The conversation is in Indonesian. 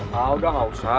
nah udah gak usah